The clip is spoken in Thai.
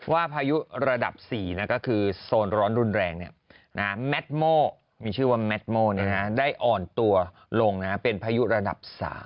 พายุระดับ๔ก็คือโซนร้อนรุนแรงแมทโม่มีชื่อว่าแมทโม่ได้อ่อนตัวลงเป็นพายุระดับ๓